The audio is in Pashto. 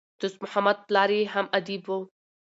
دوست محمد پلار ئې هم ادیب وو.